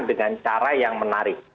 dengan cara yang menarik